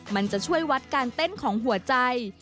มันจะช่วยวัดการเต้นของหัวใจ